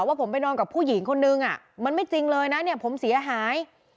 ว่าผมไปนอนกับผู้หญิงคนนึงมันไม่จริงเลยนะเนี่ยผมเสียหาย